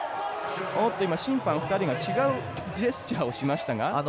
審判２人が違うジェスチャーをしました。